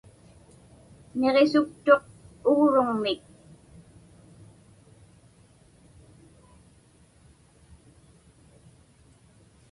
Niġisuktuq ugruŋmik.